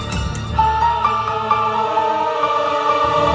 yang menjaga kekuasaan